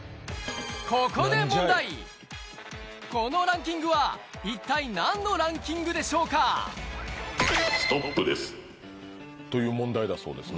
ここでこのランキングは一体何のランキングでしょうか？という問題だそうです